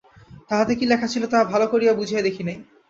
তাহাতে কী যে লেখা ছিল তাহা ভালো করিয়া বুঝিয়া দেখি নাই।